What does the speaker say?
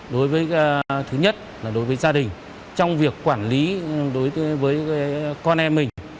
đối với thứ nhất là đối với gia đình trong việc quản lý đối với con em mình